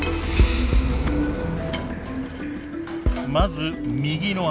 まず右の穴。